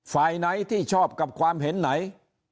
ฝ่ายไหนที่ชอบกับความเห็นไหน